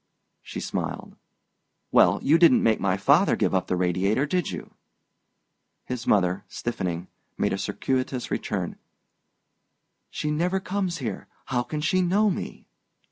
she smiled. "Well you didn't make my father give up the Radiator, did you?" His mother, stiffening, made a circuitous return: "She never comes here. How can she know me?"